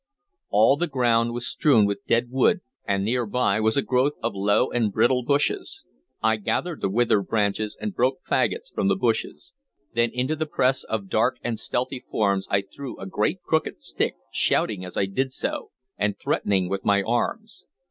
All the ground was strewn with dead wood, and near by was a growth of low and brittle bushes. I gathered the withered branches, and broke fagots from the bushes; then into the press of dark and stealthy forms I threw a great crooked stick, shouting as I did so, and threatening with my arms.